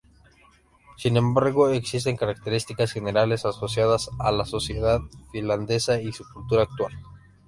Sin embargo, existen características generales asociadas a la sociedad finlandesa y su cultura actual.